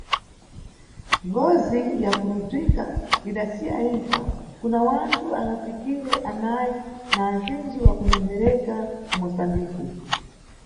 Ngozi ya kulobzwika idasiya impfa kuna wanthu angafikire anayi na azindji wa kunyembereka ku Musambiki.